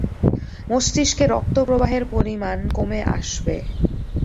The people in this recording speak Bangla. মস্তিষ্কে রক্ত প্রবাহের পরিমাণ কমে আসবে।